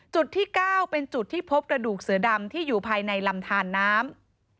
จุดที่๙เป็นจุดที่พบกระดูกเสือดำที่อยู่ภายในลำทานน้ำ